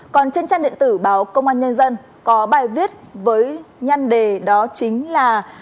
còn trên trang điện tử báo công an nhân dân có bài viết với nhân đề đó chính là